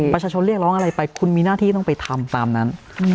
เรียกร้องอะไรไปคุณมีหน้าที่ต้องไปทำตามนั้น